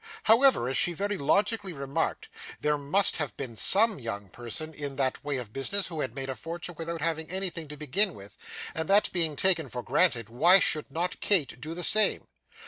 However, as she very logically remarked, there must have been SOME young person in that way of business who had made a fortune without having anything to begin with, and that being taken for granted, why should not Kate do the same?